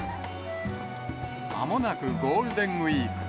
まもなくゴールデンウィーク。